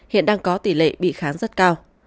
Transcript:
hiện đang có tỷ lệ bị kháng rất cao